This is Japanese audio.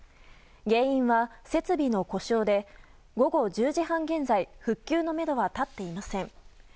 原因は設備の故障で午後１０時半現在復旧のめどは立っていません。